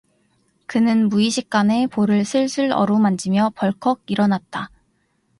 그는 무의식간에 볼을 슬슬 어루만지며 벌컥 일어났다.